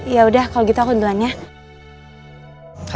yaudah kalau gitu aku duluan ya